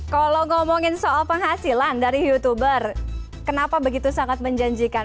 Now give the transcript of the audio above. kalau ngomongin soal penghasilan dari youtuber kenapa begitu sangat menjanjikan